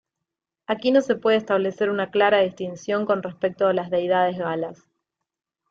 Aquí no se puede establecer una clara distinción con respecto a las deidades galas.